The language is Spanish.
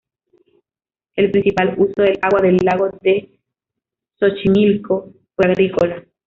El principal uso del agua del lago de Xochimilco fue agrícola.